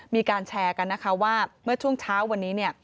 มีการแชร์กันนะคะว่าเมื่อช่วงเช้าวันนี้เนี่ย